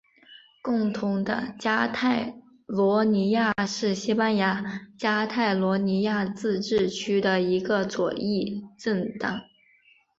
共同的加泰罗尼亚是西班牙加泰罗尼亚自治区的一个左翼政党。